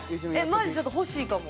マジでちょっと欲しいかも。